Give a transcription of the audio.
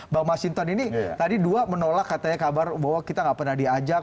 bang mas sinton ini tadi dua menolak katanya kabar bahwa kita nggak pernah diajak